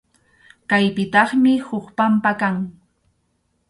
Kaypitaqmi huk pampa kan.